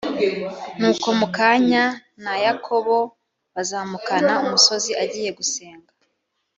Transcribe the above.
nuko mu kanya na yakobo bazamukana umusozi agiye gusenga